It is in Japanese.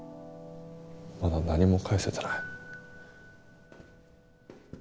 まだ何も返せてない。